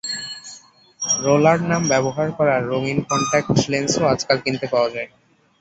Roller নাম ব্যবহার করা রঙিন কন্টাক্ট লেনসও আজকাল কিনতে পাওয়া যায়।